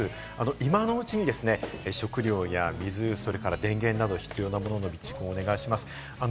今のうちに食料や水、それから電源など必要なものの備蓄お願いします。